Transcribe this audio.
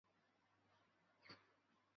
海地总理是海地共和国政府的首脑。